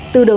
từ đầu đầu